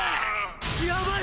やばい！